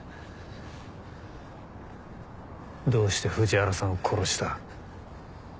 どうして藤原さんを殺した？